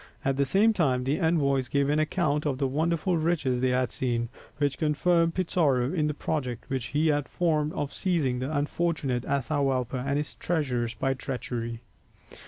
At the same time the envoys gave an account of the wonderful riches they had seen, which confirmed Pizarro in the project which he had formed of seizing the unfortunate Atahualpa and his treasures by treachery.